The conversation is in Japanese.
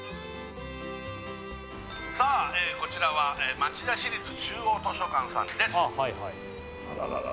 こちらは町田市立中央図書館さんです